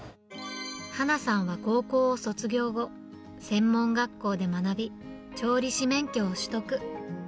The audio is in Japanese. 波南さんは高校を卒業後、専門学校で学び、調理師免許を取得。